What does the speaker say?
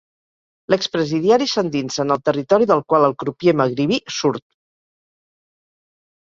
L'expresidiari s'endinsa en el territori del qual el crupier magribí surt.